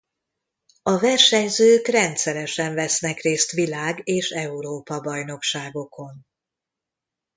A versenyzők rendszeresen vesznek részt világ- és Európa-bajnokságokon.